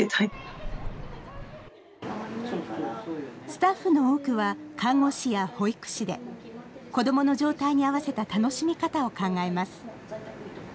スタッフの多くは、看護師や保育士で、子どもの状態に合わせた楽しみ方を考えます。